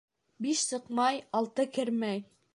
Биш сыҡмай алты кермәй.